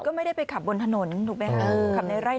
ก็ไม่ได้ไปขับบนถนนถูกไหมครับขับในไร่ในการ